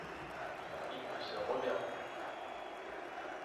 Ils ne se reverront plus.